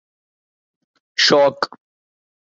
شوق دا کوئ مُل نہیں۔